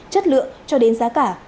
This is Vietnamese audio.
chất lượng cho đến giá cả